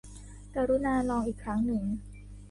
กรุณาลองอีกครั้งหนึ่ง